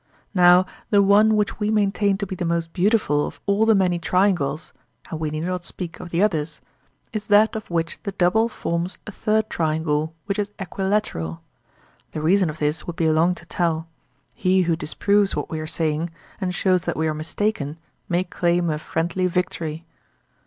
Now, the one which we maintain to be the most beautiful of all the many triangles (and we need not speak of the others) is that of which the double forms a third triangle which is equilateral; the reason of this would be long to tell; he who disproves what we are saying, and shows that we are mistaken, may claim a friendly victory.